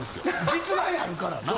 実害あるからな。